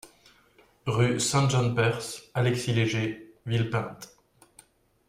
Rue Saint-John Perse Alexis Léger, Villepinte